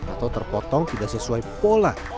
atau terpotong tidak sesuai pola